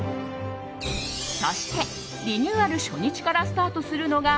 そして、リニューアル初日からスタートするのが☆